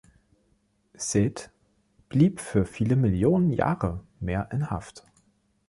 Set blieb für viele Millionen Jahre mehr in Haft.